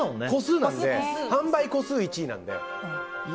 販売個数１位なので。